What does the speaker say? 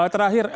terakhir pak adi